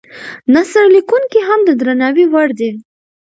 نثر لیکونکي هم د درناوي وړ دي.